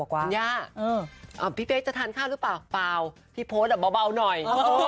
คุณย่าพี่เป๊กจะทานข้าวหรือเปล่าเปล่าพี่โพสต์เบาหน่อย